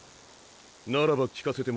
ならば聞かせてもらおう。